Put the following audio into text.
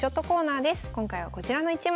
今回はこちらの１枚。